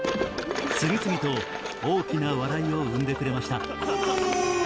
次々と大きな笑いを生んでくれました